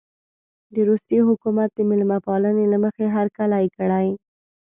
د روسیې حکومت د مېلمه پالنې له مخې هرکلی کړی.